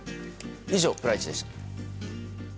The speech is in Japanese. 以上、プライチでした。